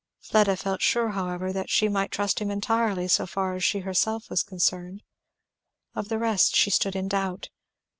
Fleda felt sure however that she might trust him entirely so far as she herself was concerned; of the rest she stood in doubt.